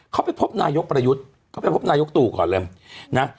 เขาไปพบนายกประยุทธ์เขาไปพบนายกตู่ก่อนเลยนะ